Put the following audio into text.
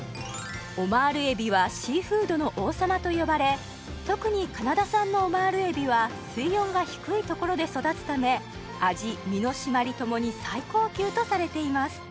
オマール海老はシーフードの王様と呼ばれ特にカナダ産のオマール海老は水温が低いところで育つため味・身の締まりともに最高級とされています